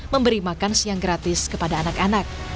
memberi makan siang gratis kepada anak anak